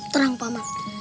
terang pak man